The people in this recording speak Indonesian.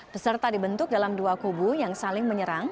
peserta dibentuk dalam dua kubu yang saling menyerang